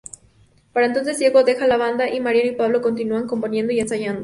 Para entonces Diego deja la banda y Mariano y Pablo continúan componiendo y ensayando.